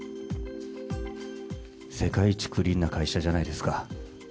世界一クリーンな会社じゃないですか。